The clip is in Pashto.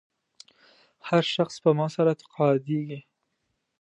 هر شخص سپما سره تقاعدېږي.